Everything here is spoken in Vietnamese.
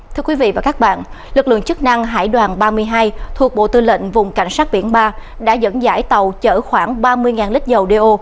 thưa quý vị và các bạn lực lượng chức năng hải đoàn ba mươi hai thuộc bộ tư lệnh vùng cảnh sát biển ba đã dẫn dãi tàu chở khoảng ba mươi lít dầu do